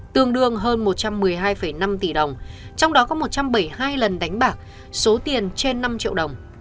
tương đương hơn một trăm một mươi hai năm tỷ đồng trong đó có một trăm bảy mươi hai lần đánh bạc số tiền trên năm triệu đồng